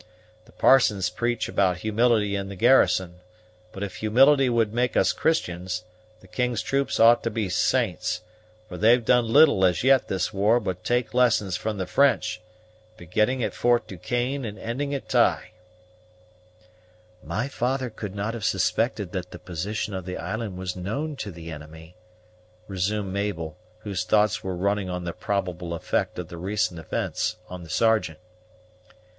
The parsons preach about humility in the garrison; but if humility would make Christians, the king's troops ought to be saints, for they've done little as yet this war but take lessons from the French, beginning at Fort du Quesne and ending at Ty." "My father could not have suspected that the position of the island was known to the enemy," resumed Mabel, whose thoughts were running on the probable effect of the recent events on the Sergeant.